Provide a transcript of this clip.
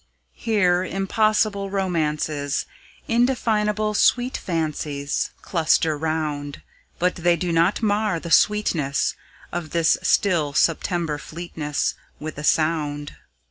Here, impossible romances, Indefinable sweet fancies, Cluster round; But they do not mar the sweetness Of this still September fleetness With a sound.